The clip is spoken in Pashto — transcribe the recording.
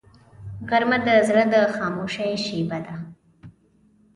غرمه د زړه د خاموشۍ شیبه ده